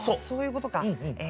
そういうことか。